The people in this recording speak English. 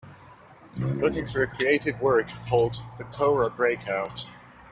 Looking for a creative work called The Cowra Breakout